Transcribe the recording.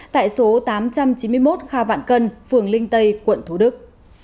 tại số tám trăm chín mươi một kha vạn cân phường linh tây quận thủ đức